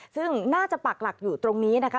ซึ่งน่าจะปักหลักอยู่ตรงนี้นะคะ